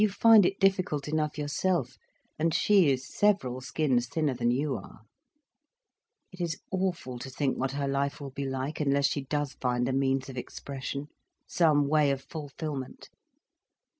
You find it difficult enough yourself, and she is several skins thinner than you are. It is awful to think what her life will be like unless she does find a means of expression, some way of fulfilment.